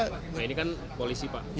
nah ini kan polisi pak